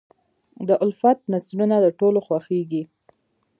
د الفت نثرونه د ټولو خوښېږي.